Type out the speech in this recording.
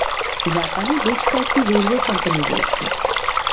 জাপানে বেশ কয়েকটি রেলওয়ে কোম্পানি রয়েছে।